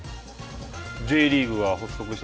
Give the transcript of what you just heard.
Ｊリーグが発足して。